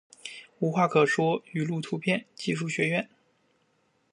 无话可说语录图片技术学院